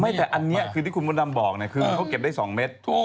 ไม่แต่อันเนี้ยคือที่คุณบนดำบอกเนี้ยคือเขาเก็บได้สองเม็ดถูก